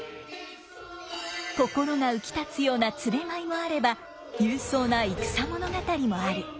心が浮き立つような連れ舞いもあれば勇壮な戦物語もある。